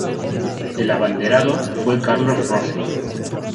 El abanderado fue Carlos Rossi.